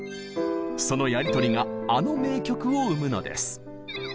そのやり取りがあの名曲を生むのです。